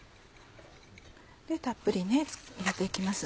たっぷり入れて行きます。